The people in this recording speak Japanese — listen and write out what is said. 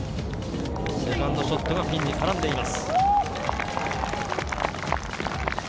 セカンドショットがピンに絡んでいます。